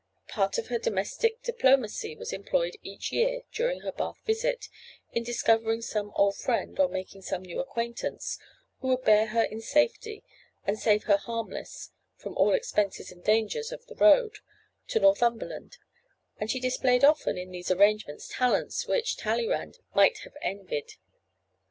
Part of her domestic diplomacy was employed each year, during her Bath visit, in discovering some old friend, or making some new acquaintance, who would bear her in safety, and save her harmless from all expenses and dangers of the road, to Northumberland; and she displayed often in these arrangements talents which Talleyrand might have envied.